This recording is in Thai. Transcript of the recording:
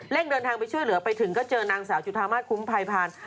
เดินทางไปช่วยเหลือไปถึงก็เจอนางสาวจุธามาสคุ้มภัยผ่าน